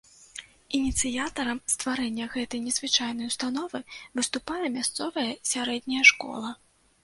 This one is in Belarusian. Ініцыятарам стварэння гэтай незвычайнай установы выступае мясцовая сярэдняя школа.